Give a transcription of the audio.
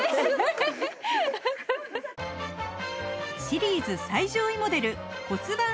シリーズ最上位モデル骨盤